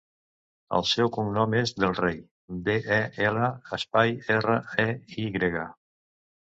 El seu cognom és Del Rey: de, e, ela, espai, erra, e, i grega.